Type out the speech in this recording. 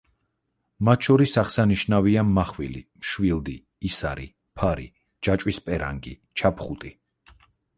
მათ შორის აღსანშნავია: მახვილი, მშვილდი, ისარი, ფარი, ჯაჭვის პერანგი, ჩაფხუტი.